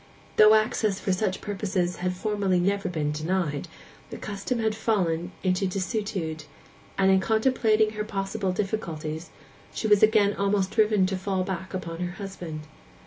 Though access for such purposes had formerly never been denied, the custom had fallen into desuetude; and in contemplating her possible difficulties, she was again almost driven to fall back upon her husband.